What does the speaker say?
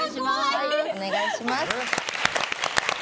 お願いします！